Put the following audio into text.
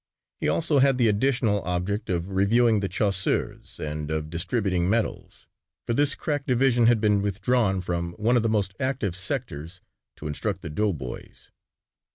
He also had the additional object of reviewing the chasseurs and of distributing medals, for this crack division had been withdrawn from one of the most active sectors to instruct the doughboys.